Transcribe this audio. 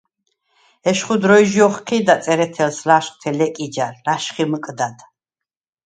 ეშხუ დროჲჟი ოხჴი̄და წერეთელს ლა̄შხთე ლეკი ჯარ ლა̄შხი მჷკდად.